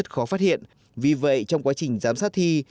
rất khó phát hiện vì vậy trong quá trình giám sát thi